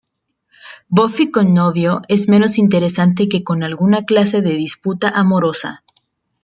Buffy con novio es menos interesante que con alguna clase de disputa amorosa.